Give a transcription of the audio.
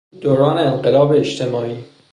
دوران انقلاب اجتماعی